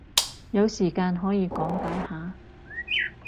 有時間可以講解下？